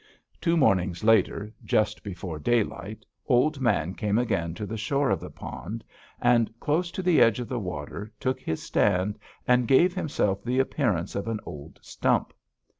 "Two mornings later, just before daylight, Old Man came again to the shore of the pond, and close to the edge of the water took his stand and gave himself the appearance of an old stump.